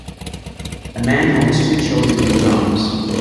A man holds two children in his arms.